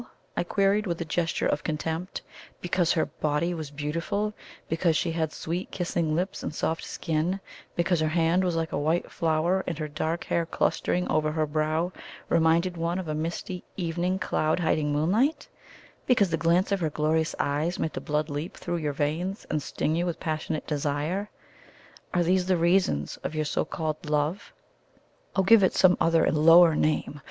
I queried, with a gesture of contempt. "Because her body was beautiful because she had sweet kissing lips and a soft skin; because her hand was like a white flower, and her dark hair clustering over her brow reminded one of a misty evening cloud hiding moonlight; because the glance of her glorious eyes made the blood leap through your veins and sting you with passionate desire are these the reasons of your so called love? Oh, give it some other and lower name!